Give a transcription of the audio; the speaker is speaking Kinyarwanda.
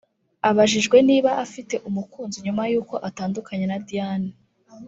Abajijwe niba afite umukunzi nyuma y’uko atandukanye na Diane